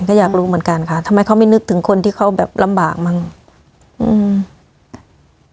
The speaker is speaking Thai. ก็อยากรู้เหมือนกันค่ะทำไมเขาไม่นึกถึงคนที่เขาแบบลำบากมั้งอืม